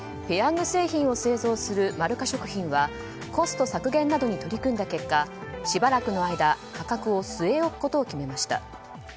ぺヤング製品を製造するまるか食品はコスト削減などに取り組んだ結果しばらくの間価格を据え置くことを決めました。